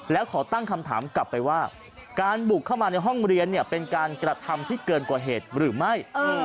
แล้วขอตั้งคำถามกลับไปว่าการบุกเข้ามาในห้องเรียนเป็นการกระทำที่เกินกว่าเหตุหรือไม่